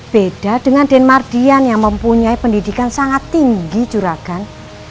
beda dengan denmar dian yang mempunyai pendidikan sangat tinggi juragan